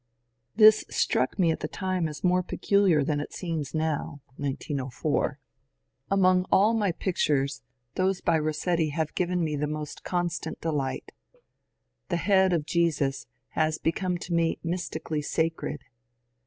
This struck me at the time as more peculiar than it seems now (1904). Among all of my pictures those by Rossetti have 132 MONCURE DANIEL CONWAY given me the most constant delight. The '^ Head of Jesus " has become to me mystically sacred.